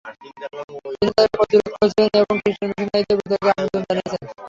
তিনি তাদের প্রতিরোধ করেছিলেন এবং খ্রিস্টান মিশনারিদের বিতর্কে আমন্ত্রণ জানিয়েছিলেন।